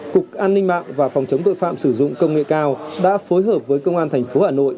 cục an ninh mạng và phòng chống tội phạm sử dụng công nghệ cao đã phối hợp với công an thành phố hà nội